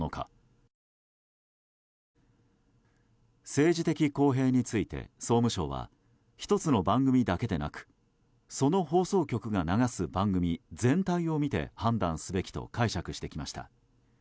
政治的公平について総務省は１つの番組だけでなくその放送局が流す番組全体を見て判断すべきと解釈してきました。